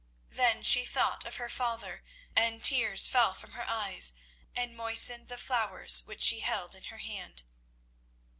Then she thought of her father, and tears fell from her eyes and moistened the flowers which she held in her hand.